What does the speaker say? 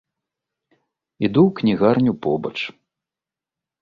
Іду ў кнігарню побач.